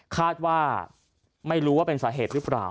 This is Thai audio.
คาดว่าไม่รู้ว่าเป็นสาเหตุหรือเปล่า